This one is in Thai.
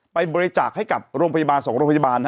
ไปบริจาคให้กับโรงพยาบาล๒โรงพยาบาล